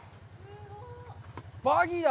バギーだ！